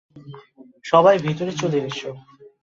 সবাই, ভিতরে চলে এসো।